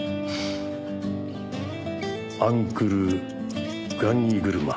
アンクルガンギ車。